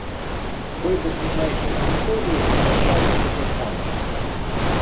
Види і межі монополії визначаються законом.